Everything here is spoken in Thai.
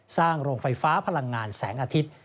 โรงไฟฟ้าพลังงานแสงอาทิตย์